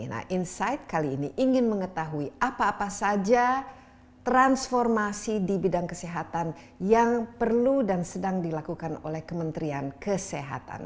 nah insight kali ini ingin mengetahui apa apa saja transformasi di bidang kesehatan yang perlu dan sedang dilakukan oleh kementerian kesehatan